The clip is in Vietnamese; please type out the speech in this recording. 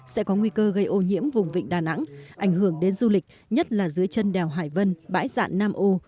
sẽ có nguy cơ gây ô nhiễm vùng vịnh đà nẵng ảnh hưởng đến du lịch nhất là dưới chân đèo hải vân bãi dạn nam ô